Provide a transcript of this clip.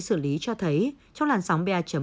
xử lý cho thấy trong làn sóng pa hai